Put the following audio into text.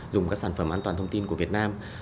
dùng các sản phẩm an toàn thông tin của việt nam